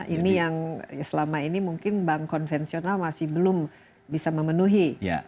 ini yang selama ini mungkin bank konvensional masih belum bisa memenuhi